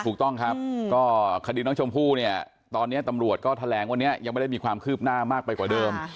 ถูกต้องครับก็คดีน้องชมพู่เนี่ยตอนนี้ตำรวจก็แถลงวันนี้ยังไม่ได้มีความคืบหน้ามากไปกว่าเดิม